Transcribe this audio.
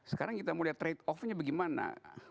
sekarang kita mau lihat trade off nya bagaimana